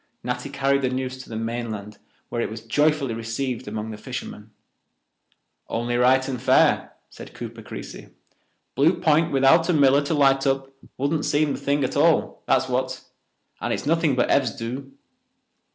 Natty carried the news to the mainland, where it was joyfully received among the fishermen. "Only right and fair," said Cooper Creasy. "Blue Point without a Miller to light up wouldn't seem the thing at all, that's what. And it's nothing but Ev's doo."